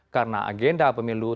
karena agenda pemilu